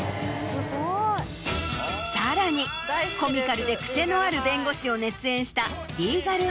さらにコミカルで癖のある弁護士を熱演した。